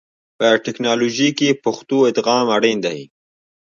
په ټکنالوژي کې پښتو ادغام اړین دی.